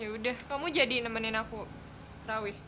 yaudah kamu jadi nemenin aku rawi